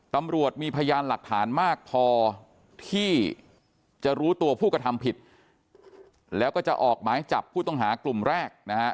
ตำรวจมีพยานหลักฐานมากพอที่จะรู้ตัวผู้กระทำผิดแล้วก็จะออกหมายจับผู้ต้องหากลุ่มแรกนะฮะ